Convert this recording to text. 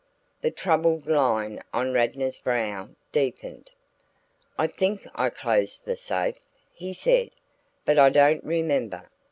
The troubled line on Radnor's brow deepened. "I think I closed the safe," he said, "but I don't remember.